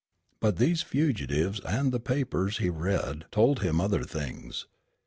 But these fugitives and the papers he read told him other things.